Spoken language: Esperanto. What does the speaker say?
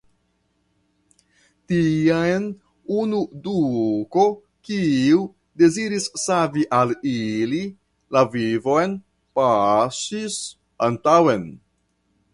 Tiam unu duko, kiu deziris savi al ili la vivon, paŝis antaŭen.